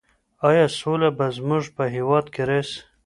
ایا سوله به زموږ په هېواد کې راسي؟